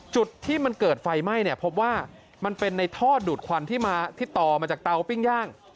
จุดที่มันเกิดไฟไหม้เนี่ยพบว่ามันเป็นในท่อดูดควันที่มาที่ต่อมาจากเตาปิ้งย่าง